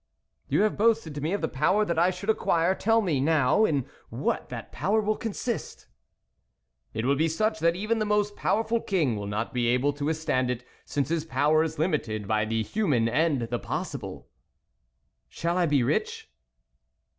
" You have boasted to me of the power that I should acquire ; tell me, now, in what that power will consist ?"" It will be such that even the most powerful king will not be able to with stand it, since his power is limited by the human and the possible." Shall I be rich